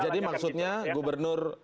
jadi maksudnya gubernur